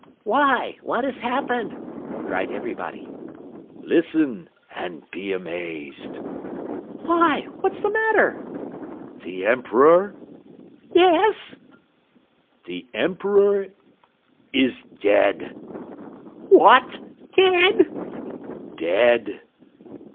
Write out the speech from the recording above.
"Why, what has happened?" cried everybody. "Listen, and be amazed." "Why, what's the matter?" "The Emperor " "Yes?" "The Emperor is dead." "What! dead?" "Dead!"